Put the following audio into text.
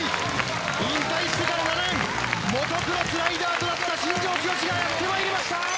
引退してから７年モトクロスライダーとなった新庄剛志がやってまいりました！